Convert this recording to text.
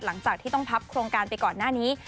หลังจากที่ต้องพับโครงการไปก่อนหน้านี้